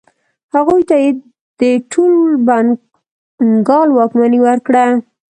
هغوی ته یې د ټول بنګال واکمني ورکړه.